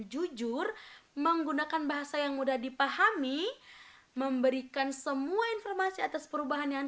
jujur menggunakan bahasa yang mudah dipahami memberikan semua informasi atas perubahan yang